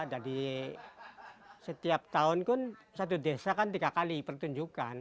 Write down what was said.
jadi setiap tahun kan satu desa kan tiga kali pertunjukan